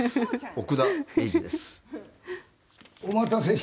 奥田瑛二です。